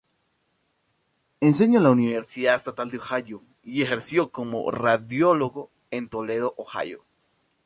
Enseñó en la Universidad Estatal de Ohio y ejerció como radiólogo en Toledo, Ohio.